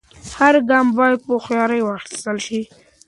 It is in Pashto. هر ګام باید په هوښیارۍ واخیستل سي.